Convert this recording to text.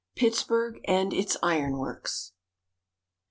PITTSBURG AND ITS IRON WORKS.